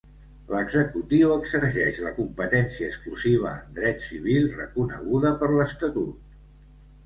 L'Executiu exerceix la competència exclusiva en dret civil reconeguda per l'Estatut.